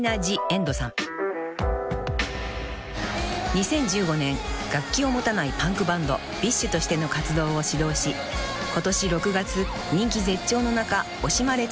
［２０１５年楽器を持たないパンクバンドＢｉＳＨとしての活動を始動し今年６月人気絶頂の中惜しまれつつも解散］